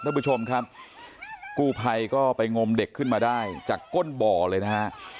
ท่านผู้ชมครับกู้ภัยก็ไปงมเด็กขึ้นมาได้จากก้นบ่อเลยนะฮะ